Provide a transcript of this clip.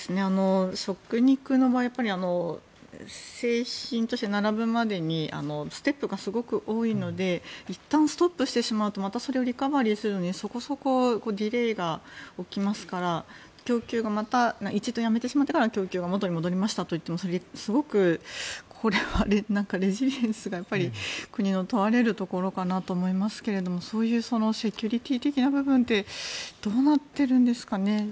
食肉の場合製品として並ぶまでにステップがすごく多いのでいったんストップしてしまうとまたそれをリカバリーするのにそこそこディレイが起きますから供給が一度やめてしまってから供給が元に戻りましたといってもすごく国のレジリエンスが問われるかなと思いますがそういうセキュリティー的な部分ってどうなってるんですかね。